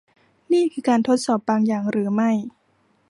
นี่คือการทดสอบบางอย่างหรือไม่ ?